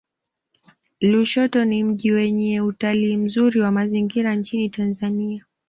lushoto ni mji wenye utalii mzuri wa mazingira nchini tanzania